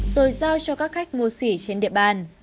rồi giao cho các khách mua xỉ trên địa bàn